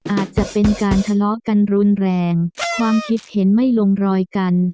อาจจะเป็นการทะเลาะกันรุนแรงความคิดเห็นไม่ลงรอยกัน